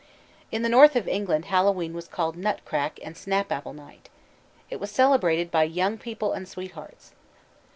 _ In the north of England Hallowe'en was called "nut crack" and "snap apple night." It was celebrated by "young people and sweethearts."